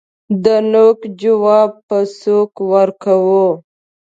دنوک جواب په سوک ورکوو